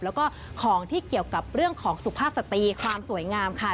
แล้วก็ของที่เกี่ยวกับเรื่องของสุภาพสตรีความสวยงามค่ะ